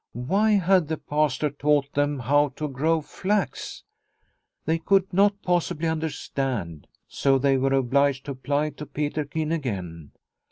Why had the Pastor taught them how to grow flax ? They could not possibly understand, so they were obliged to apply to Peterkin again.